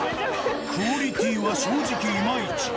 クオリティーは正直イマイチ。